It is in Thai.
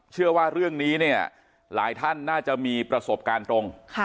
เชื่อว่าเรื่องนี้เนี่ยหลายท่านน่าจะมีประสบการณ์ตรง